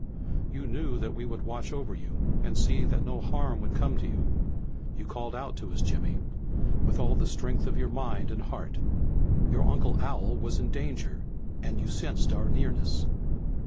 "You knew that we would watch over you and see that no harm would come to you. You called out to us, Jimmy, with all the strength of your mind and heart. Your Uncle Al was in danger and you sensed our nearness.